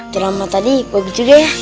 drama tadi pagi juga ya